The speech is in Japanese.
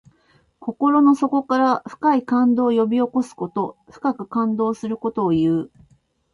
心の底から深い感動を呼び起こすこと。深く感動することをいう。